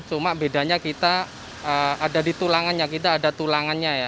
cuma bedanya kita ada di tulangannya kita ada tulangannya ya